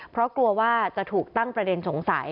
เพราะกลัวว่าจะถูกตั้งประเด็นสงสัย